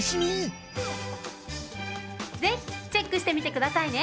ぜひチェックしてみてくださいね！